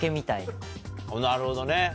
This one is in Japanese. なるほどね。